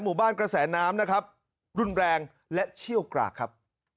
กระแสน้ำนะครับรุนแรงและเชี่ยวกรากครับ